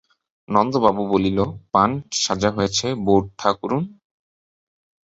নন্দবাবু বলিল, পান সাজা হয়েছে বৌঠাকরুন?